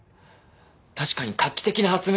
確かに画期的な発明なんです。